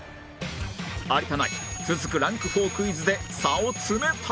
有田ナイン続くランク４クイズで差を詰めたい